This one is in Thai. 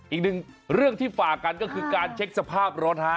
อีกหนึ่งเรื่องที่ฝากกันก็คือการเช็คสภาพรถฮะ